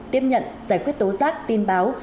tiếp nhận giải quyết tố giác tin báo